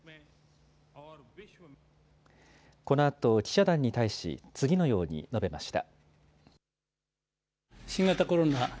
このあと記者団に対し、次のように述べました。